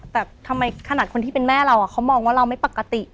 แต่ทำไมขนาดคนที่เป็นแม่เราเขามองว่าเราไม่ปกติ